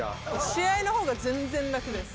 試合の方が全然楽です。